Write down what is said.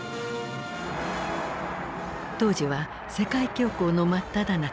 当時は世界恐慌の真っただ中。